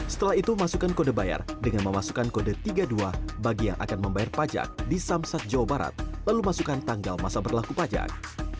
setelah itu masukkan kode bayar dengan memasukkan kode tiga puluh dua bagi yang akan membayar pajak di samsat jawa barat lalu masukkan tanggal masa berlaku pajak